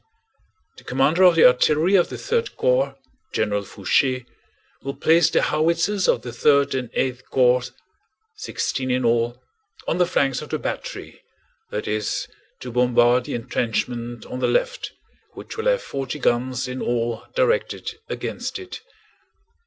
The commander of the artillery of the 3rd Corps, General Fouché, will place the howitzers of the 3rd and 8th Corps, sixteen in all, on the flanks of the battery that is to bombard the entrenchment on the left, which will have forty guns in all directed against it.